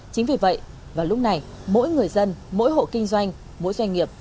chính vì vậy vào lúc này mỗi người dân mỗi hộ kinh doanh mỗi doanh nghiệp